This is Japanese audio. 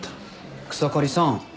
草刈さん